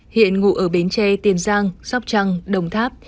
hiện ngụ ở bến tre tiền giang sóc trăng đồng tháp